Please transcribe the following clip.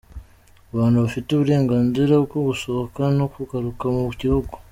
Abantu bafite uburenganzira bw’ugusohoka n’ukugaruka mu gihugu.